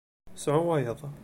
Sɛu wayeḍ.